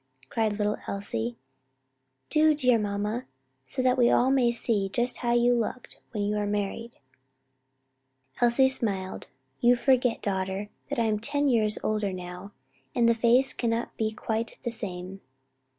cried little Elsie; "do, dear mamma, so that we may all see just how you looked when you were married." Elsie smiled, "You forget, daughter, that I am ten years older now, and the face cannot be quite the same."